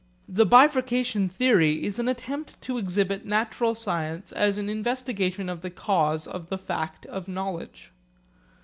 The bifurcation theory is an attempt to exhibit natural science as an investigation of the cause of the fact of knowledge.